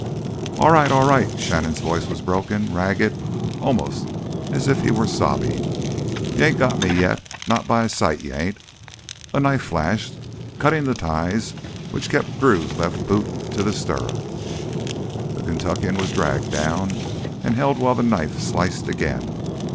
"All right, all right!" Shannon's voice was broken, ragged, almost as if he were sobbing. "You ain't got me yet—not by a sight, you ain't!" A knife flashed, cutting the ties which kept Drew's left boot to the stirrup. The Kentuckian was dragged down and held while the knife sliced again.